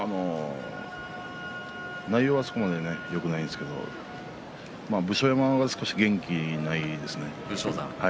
内容はそこまでよくないですけれど武将山は少し元気がないですね。